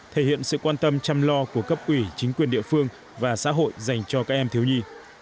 thể hiện sự quan tâm chăm lo của cấp ủy chính quyền địa phương và xã hội dành cho các em thiếu nhi